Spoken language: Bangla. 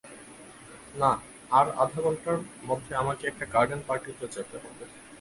না, আর আধা ঘণ্টার মধ্যে আমাকে একটা গার্ডেন-পার্টিতে যেতে হবে।